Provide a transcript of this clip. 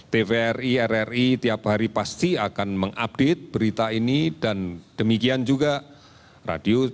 tvri rri tiap hari pasti akan mengupdate berita ini dan demikian juga radius